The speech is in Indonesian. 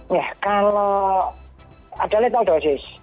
ya kalau ada letal dosis